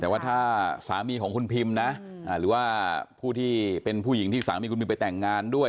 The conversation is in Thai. แต่ว่าถ้าสามีของคุณพิมนะหรือว่าผู้ที่เป็นผู้หญิงที่สามีคุณพิมไปแต่งงานด้วย